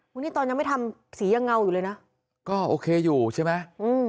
วันนี้ตอนยังไม่ทำสียังเงาอยู่เลยนะก็โอเคอยู่ใช่ไหมอืม